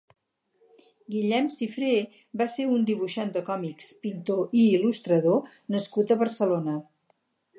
Guillem Cifré va ser un dibuixant de còmics, pintor i il·lustrador nascut a Barcelona.